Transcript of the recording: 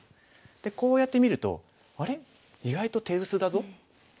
でこうやって見ると「あれ？意外と手薄だぞ」。